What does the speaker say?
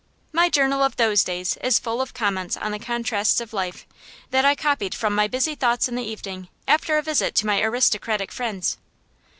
My journal of those days is full of comments on the contrasts of life, that I copied from my busy thoughts in the evening, after a visit to my aristocratic friends.